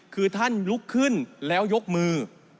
คือท่านลุกขึ้นแล้วยกมือ